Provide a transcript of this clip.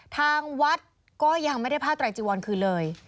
ทางวัดก็ยังไม่ได้ผ้าไตรจีวรคืนเลย